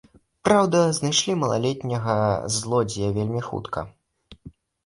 Праўда, знайшлі малалетняга злодзея вельмі хутка.